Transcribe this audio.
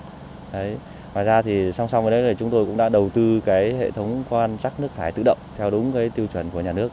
ngoài ra thì song song với đấy là chúng tôi cũng đã đầu tư hệ thống quan sát nước thải tự động theo đúng tiêu chuẩn của nhà nước